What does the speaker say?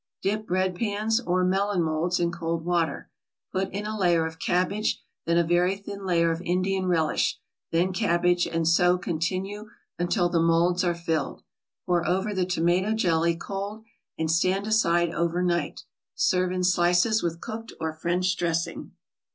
Dip bread pans or melon molds in cold water, put in a layer of cabbage, then a very thin layer of Indian relish, then cabbage, and so continue until the molds are filled. Pour over the tomato jelly, cold, and stand aside over night. Serve in slices with cooked or French dressing.